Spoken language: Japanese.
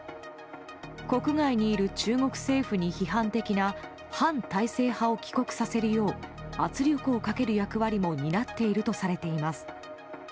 国外にいる中国政府に批判的な反体制派を帰国させるよう圧力をかける役割も担っているとされています。